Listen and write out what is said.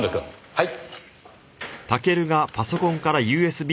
はい。